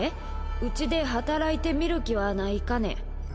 うちで働いてみる気はないかね？